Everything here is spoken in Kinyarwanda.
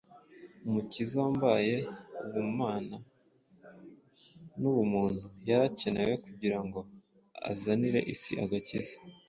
Umukiza wambaye ubumana n’ubumuntu yari akenewe kugira ngo azanire isi agakiza.